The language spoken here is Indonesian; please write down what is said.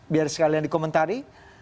biar sekalian dikomentari